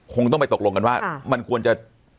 คงต้องไปตกลงกันว่ามันควรจะ